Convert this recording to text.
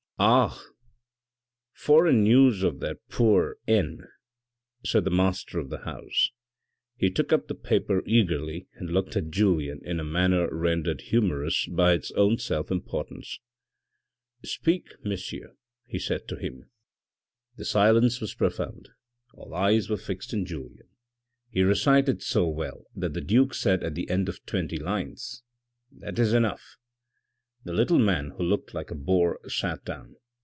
" Ah ! foreign news of that poor N —" said the master of the house. He took up the paper eagerly and looked at Julien in a manner rendered humorous by its own self mportance. " Speak, monsieur," he said to him. THE DISCUSSION 385 The silence was profound, all eyes were fixed on Julien. He recited so well that the duke said at the end of twenty lines, " That is enough." The little man who looked like a boar sat down.